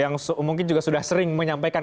yang mungkin juga sudah sering menyampaikan